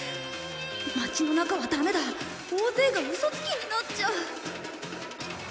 街の中はダメだ大勢がウソつきになっちゃう